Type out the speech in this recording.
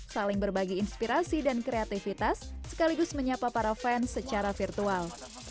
saling berbagi inspirasi dan kreativitas sekaligus menyapa para fans secara virtual